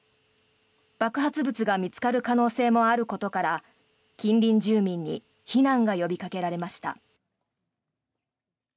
爆発物が見つかる可能性もあることから近隣住民に避難が呼びかけられました。